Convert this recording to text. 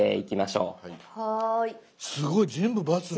すごい全部バツだ。